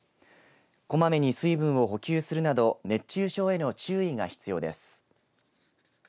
こまめに水分を補給するなど熱中症への注意が必要です。